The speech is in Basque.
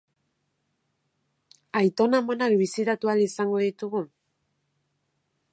Aiton-amonak bisitatu ahal izango ditugu?